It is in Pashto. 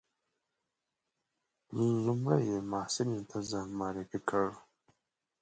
لومړي محصلینو ته ځان معرفي کړ.